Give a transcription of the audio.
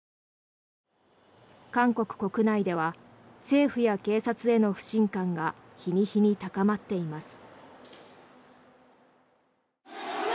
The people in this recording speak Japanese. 韓国国内では政府や警察への不信感が日に日に高まっています。